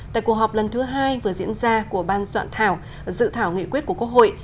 tại cuộc họp lần thứ hai vừa diễn ra của ban soạn thảo dự thảo nghị quyết của quốc hội